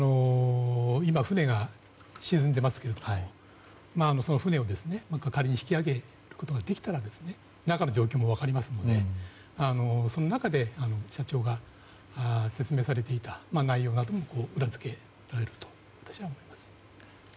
今、船が沈んでいますけど船を仮に引き揚げることができたら中の状況も分かりますのでその中で社長が説明されていた内容が裏付けられると私は思います。